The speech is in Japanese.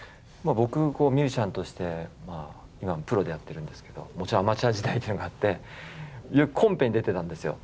僕ミュージシャンとして今はプロでやってるんですけどもちろんアマチュア時代があってよくコンペに出てたんですよ。